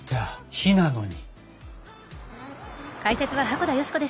火なのに。